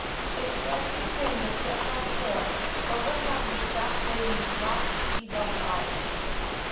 A straggling fringe of jet black hair overhung the stout baby's black, beadlike eyes.